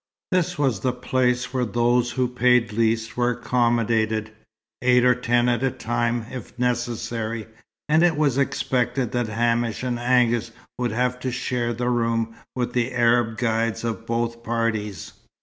This was the place where those who paid least were accommodated, eight or ten at a time if necessary; and it was expected that Hamish and Angus would have to share the room with the Arab guides of both parties.